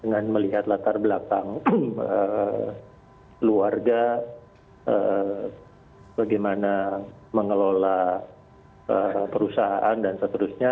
dengan melihat latar belakang keluarga bagaimana mengelola perusahaan dan seterusnya